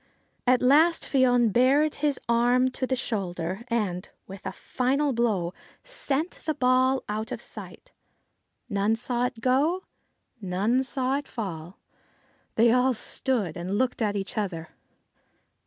At last Fion bared his arm to the shoulder, and, with a final blow, sent the ball out of sight. None saw it go ; none saw it fall. They all stood and looked at each other.